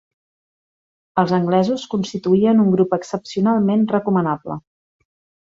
Els anglesos constituïen un grup excepcionalment recomanable